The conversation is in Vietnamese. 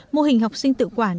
mô hình học sinh tự quản